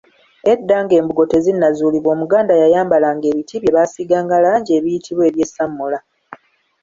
Edda ng'embugo tezinnazuulibwa Omuganda yayambalanga ebiti bye baasiiganga langi ebiyitibwa ebyessamula.